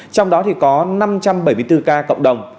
trong đó thì có năm trăm bảy mươi bốn ca cộng đồng